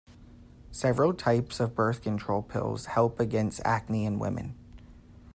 Several types of birth control pills help against acne in women.